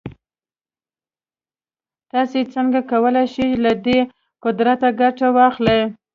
تاسې څنګه کولای شئ له دې قدرته ګټه واخلئ.